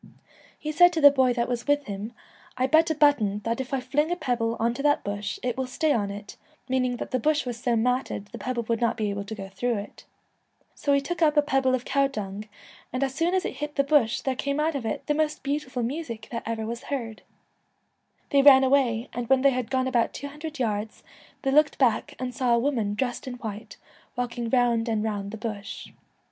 He said to the boy that was with him, ' I bet a button that if I fling a pebble on to that bush it will stay on it,' meaning i:hat the bush was so matted the pebble would not be able to go through it. So he took up ' a pebble of cow dung, and as 105 The soon as it hit the bush there came out Celtic . Twilight, of it the most beautiful music that ever was heard/ They ran away, and when they had gone about two hundred yards they looked back and saw a woman dressed in white, walking round and round the bush.